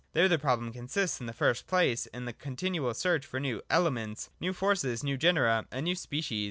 There the problem consists, in the first place, in the continual search for new ' elements,' new forces, new genera, and species.